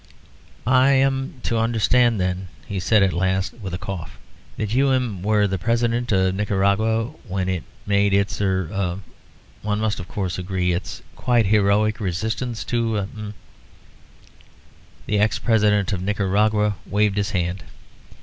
"I am to understand, then," he said at last, with a cough, "that you, ahem, were the President of Nicaragua when it made its er one must, of course, agree its quite heroic resistance to er " The ex President of Nicaragua waved his hand.